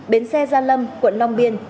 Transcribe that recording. bến xe gia lâm quận long biên